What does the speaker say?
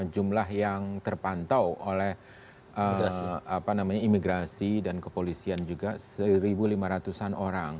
jumlah yang terpantau oleh imigrasi dan kepolisian juga satu lima ratus an orang